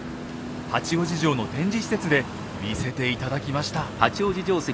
八王子城の展示施設で見せて頂きました。